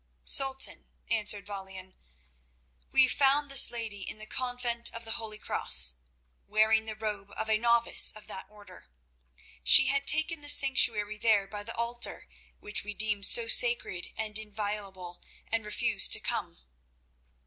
"Sultan," answered Balian, "we found this lady in the convent of the Holy Cross, wearing the robe of a novice of that order. She had taken the sanctuary there by the altar which we deem so sacred and inviolable, and refused to come."